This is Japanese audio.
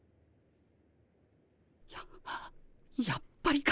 ややっぱりか！